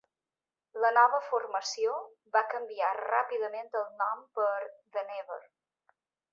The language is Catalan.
La nova formació va canviar ràpidament el nom per The Never.